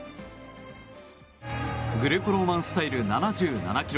グレコローマンスタイル７７ｋｇ